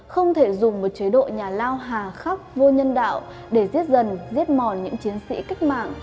không thể dùng một chế độ nhà lao hà khắc vô nhân đạo để giết dần giết mòn những chiến sĩ cách mạng